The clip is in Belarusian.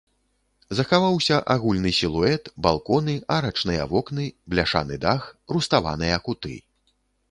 Захаваўся агульны сілуэт, балконы, арачныя вокны, бляшаны дах, руставаныя куты.